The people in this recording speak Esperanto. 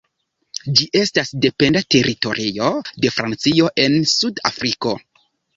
Ĝi estas dependa teritorio de Francio en Sud-Afriko.